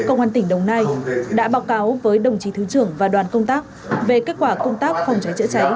công an tỉnh đồng nai đã báo cáo với đồng chí thứ trưởng và đoàn công tác về kết quả công tác phòng cháy chữa cháy